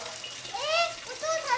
・えッお父さん